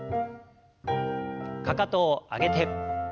かかとを上げて。